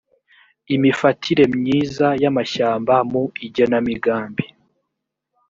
imifatire myiza y amashyamba mu igenamigambi